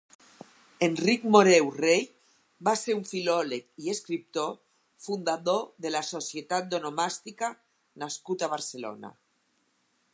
Enric Moreu-Rey va ser un filòleg i escriptor, fundador de la Societat d'Onomàstica nascut a Barcelona.